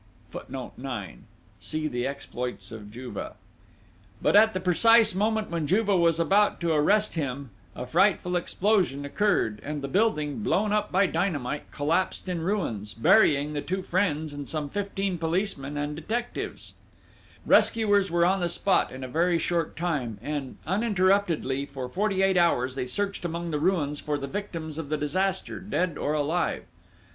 But at the precise moment when Juve was about to arrest him, a frightful explosion occurred, and the building, blown up by dynamite, collapsed in ruins, burying the two friends and some fifteen policemen and detectives. [Footnote 9: See The Exploits of Juve.] Rescuers were on the spot in a very short time, and uninterruptedly, for forty eight hours, they searched among the ruins for the victims of the disaster, dead or alive.